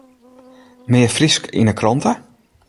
Mear Frysk yn ’e krante?